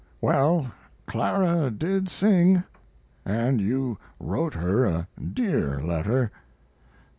Well, Clara did sing! And you wrote her a dear letter.